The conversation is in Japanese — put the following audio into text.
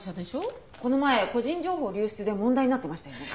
この前個人情報流出で問題になってましたよね。